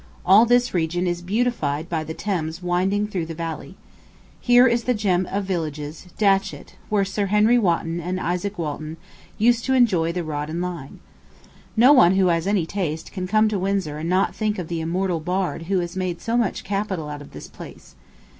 All this region is beautified by the Thames winding through the valley. Here is the gem of villages, Datchett, where Sir Henry Wotton and Izaak Walton used to enjoy the rod and line. No one who has any taste can come to Windsor and not think of the immortal bard who has made so much capital out of this place.